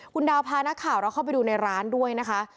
คุณดาวพานักข่าวเราเข้าไปดูในร้านด้วยนะคะ